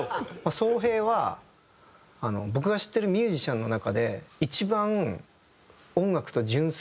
壮平は僕が知ってるミュージシャンの中で一番。